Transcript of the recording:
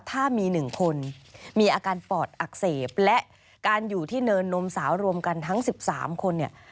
ถ้ามี๑คนมีอาการปอดอักเสบและการอยู่ที่เนินนมสาวรวมกันทั้ง๑๓คนเนี่ย